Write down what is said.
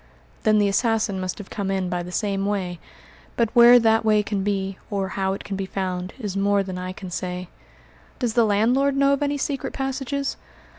"Then the assassin must have come in by the same way; but where that way can be, or how it can be found, is more than I can say." "Does the landlord know of any secret passages?"